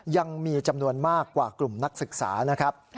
ยังมีจำนวนมากกว่ากลุ่มนักศึกษานะครับ